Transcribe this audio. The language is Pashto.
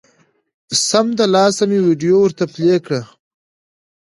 سمدلاسه مې ویډیو ورته پلې کړه